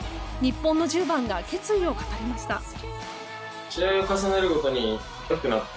日本の１０番が決意を語りました。